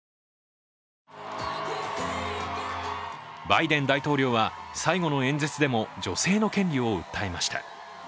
バイデン大統領は、最後の演説でも女性の権利を訴えました。